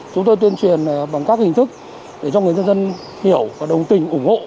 chúng tôi tuyên truyền bằng các hình thức để cho người dân dân hiểu và đồng tình ủng hộ